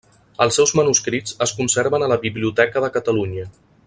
Els seus manuscrits es conserven a la Biblioteca de Catalunya.